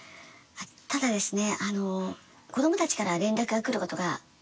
ただですね。